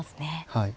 はい。